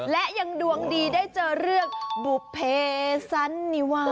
และยังดวงดีได้เจอเรื่องบุภเพสันนิวา